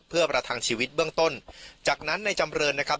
เพื่อประทังชีวิตเบื้องต้นจากนั้นในจำเรินนะครับ